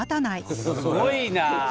すごいなあ！